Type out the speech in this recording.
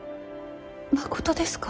まことですか？